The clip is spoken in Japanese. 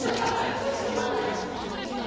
通知止まんない。